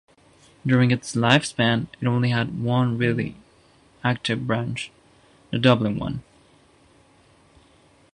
During its lifespan it only had one really active branch, the Dublin one.